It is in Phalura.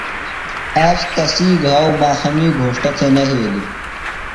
آج تسی گھاؤ ماخَمی گھوݜٹہ تھےۡ نہ یھیلیۡ۔